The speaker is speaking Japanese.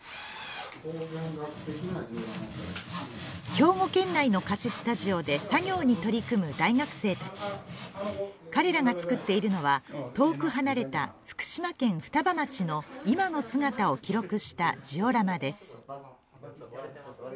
兵庫県内の貸しスタジオで作業に取り組む大学生たち彼らが作っているのは、遠く離れた福島県双葉町の今の姿を記録したジオラマです。